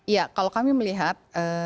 ya kalau kami melihat